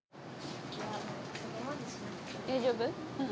大丈夫？